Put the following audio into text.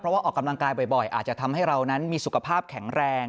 เพราะว่าออกกำลังกายบ่อยอาจจะทำให้เรานั้นมีสุขภาพแข็งแรง